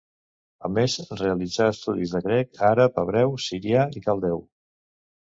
A més realitza estudis de grec, àrab, hebreu, sirià i caldeu.